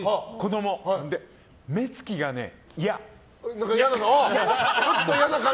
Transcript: で、目つきがね、嫌。